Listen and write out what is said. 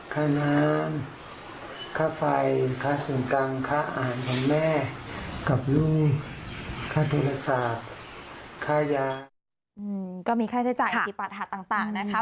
ก็มีค่าใช้จ่ายอธิบัติหาต่างนะคะ